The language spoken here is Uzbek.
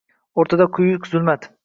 O’rtada quyuq zulmat.